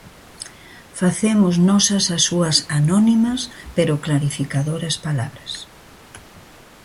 Facemos nosas as súas anónimas, pero clarificadoras palabras.